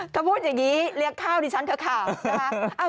เขาพูดอย่างนี้เรียกข้าวดิฉันเธอข่าวนะคะ